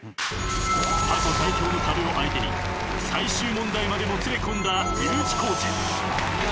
［過去最強の壁を相手に最終問題までもつれ込んだＵ字工事］